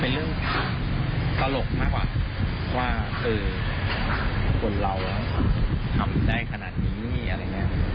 เป็นเรื่องตลกมากอ่ะว่าคือคนเราทำได้ขนาดนี้อะไรอย่างเงี้ย